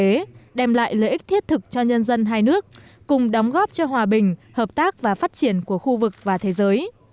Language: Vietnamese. các thế hệ lãnh đạo giải công dân hai nước cùng đóng góp cho hòa bình hợp tác và phát triển của khu vực và thế giới